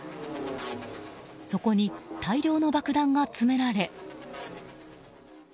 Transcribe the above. そこに大量の爆弾が詰められ。